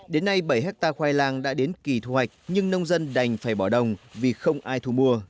đến nay bảy hectare khoai lang đã đến kỳ thu hoạch nhưng nông dân đành phải bỏ đồng vì không ai thu mua